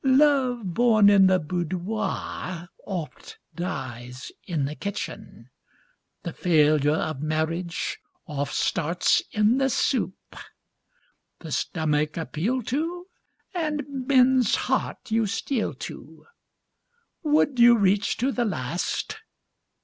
Love born in the boudoir oft dies in the kitchen, The failure of marriage oft starts in the soup. The stomach appeal to, and men's heart you steal to Would you reach to the last?